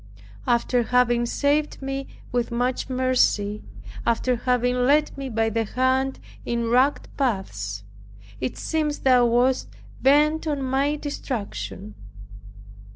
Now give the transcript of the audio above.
After having saved me with much mercy, after having led me by the hand in rugged paths, it seems Thou wast bent on my destruction.